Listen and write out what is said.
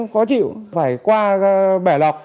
khó chịu phải qua bẻ lọc